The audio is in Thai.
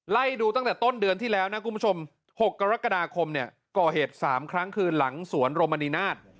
ไล่ดูตั้งแต่ต้นเดือนที่แล้วนะคุณผู้ชม๖กรกฎาคมเนี่ยก่อเหตุ๓ครั้งคือหลังสวนโรมณีนาฏ